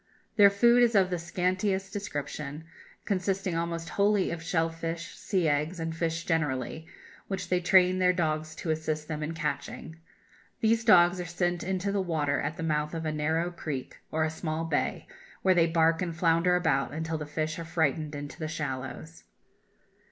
Their food is of the scantiest description, consisting almost wholly of shell fish, sea eggs, and fish generally, which they train their dogs to assist them in catching. These dogs are sent into the water at the mouth of a narrow creek or a small bay, where they bark and flounder about until the fish are frightened into the shallows.